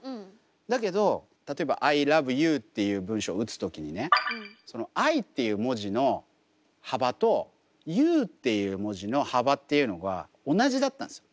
だけど例えば「Ｉｌｏｖｅｙｏｕ」っていう文章打つ時にねその「Ｉ」っていう文字の幅と「ｙｏｕ」っていう文字の幅っていうのが同じだったんですよ。